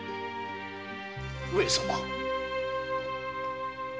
上様。